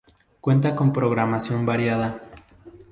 Cuenta con programación variada.